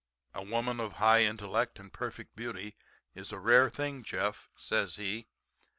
"'A woman of high intellect and perfect beauty is a rare thing, Jeff,' says he.